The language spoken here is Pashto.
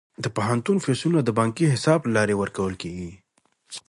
د پوهنتون فیسونه د بانکي حساب له لارې ورکول کیږي.